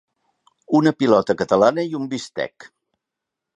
Una pilota catalana i un bistec.